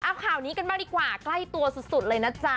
เอาข่าวนี้กันบ้างดีกว่าใกล้ตัวสุดเลยนะจ๊ะ